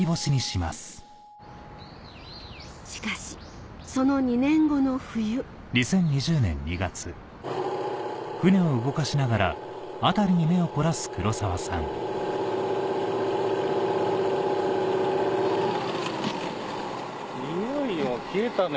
しかしその２年後の冬いよいよ消えたね